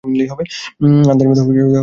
আন্দাজমতো সব নিলেই হবে।